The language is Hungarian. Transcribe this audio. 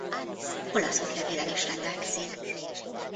Olasz útlevéllel is rendelkezik.